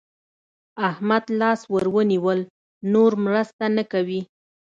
احمد لاس ور ونيول؛ نور مرسته نه کوي.